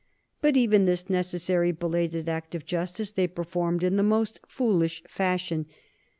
But even this necessary belated act of justice they performed in the most foolish fashion.